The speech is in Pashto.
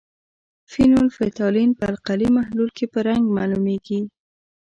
فینول فتالین په القلي محلول کې په رنګ معلومیږي.